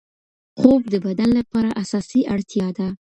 خوب د بدن لپاره اساسي اړتیا ده.